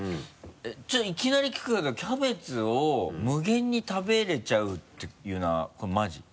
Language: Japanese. ちょっといきなり聞くけどキャベツを無限に食べれちゃうていうのはこれマジ？